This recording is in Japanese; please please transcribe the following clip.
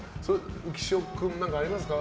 浮所君に、何かありますか？